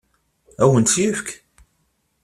Ad awen-tt-yefk?